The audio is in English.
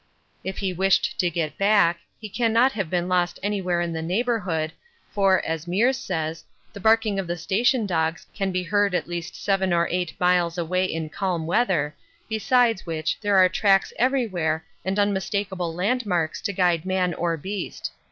If he wished to get back, he cannot have been lost anywhere in the neighbourhood, for, as Meares says, the barking of the station dogs can be heard at least 7 or 8 miles away in calm weather, besides which there are tracks everywhere and unmistakable landmarks to guide man or beast.